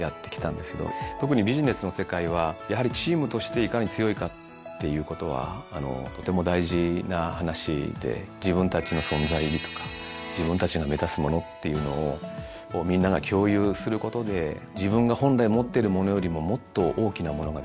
特にビジネスの世界はやはりチームとしていかに強いかっていうことはとても大事な話で自分たちの存在意義とか自分たちが目指すものっていうのをみんなが共有することで自分が本来持っているものよりももっと大きなものが出てくる。